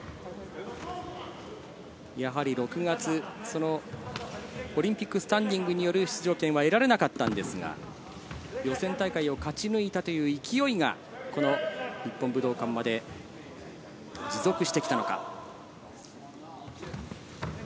やはり６月、オリンピックスタンディングによる出場権は得られなかったんですが、予選大会を勝ち抜いたという勢いがこの日本武道館まで持続してきたのか。